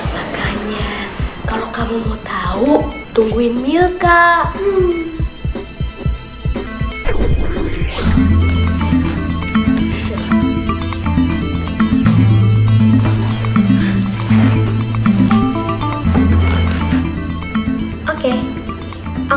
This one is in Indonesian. makanya kalau kamu mau tahu tungguin milka